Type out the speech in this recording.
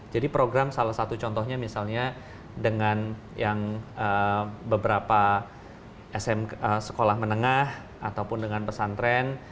program salah satu contohnya misalnya dengan yang beberapa sekolah menengah ataupun dengan pesantren